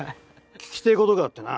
聞きてえことがあってな。